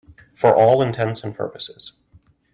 For all intents and purposes.